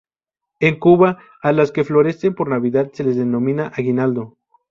En Cuba, a las que florecen por Navidad se las denomina aguinaldo.